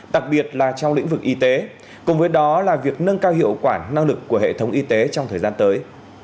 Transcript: đặc biệt là trong lĩnh vực y tế cùng với đó là việc nâng cao hiệu quả năng lực của hệ thống y tế trong thời gian tới